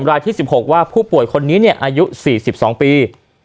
รายที่๑๖ว่าผู้ป่วยคนนี้อายุ๔๒ปี